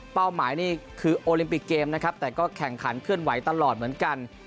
หมายนี่คือโอลิมปิกเกมนะครับแต่ก็แข่งขันเคลื่อนไหวตลอดเหมือนกัน